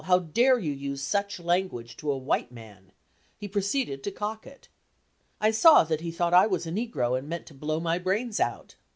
how dare you use such language to a white man," he proceeded to cock it. I saw that he thought I was a negro and meant to blow my brains out.